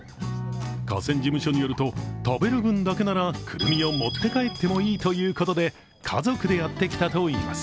河川事務所によると、食べる分だけならクルミを持って帰ってもいいということで、家族でやってきたといいます。